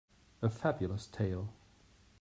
A Fabulous tale.